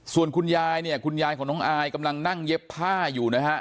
ส่วนคุณยายเนี่ยคุณยายของน้องอายกำลังนั่งเย็บผ้าอยู่นะฮะ